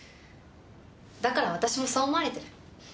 だから私もそう思われてる。